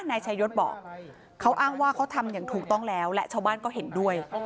นายชายศบอกเขาอ้างว่าเขาทำอย่างถูกต้องแล้วและชาวบ้านก็เห็นด้วย